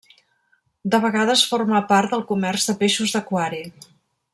De vegades forma part del comerç de peixos d'aquari.